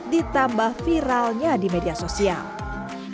ditambah viralnya di media sosial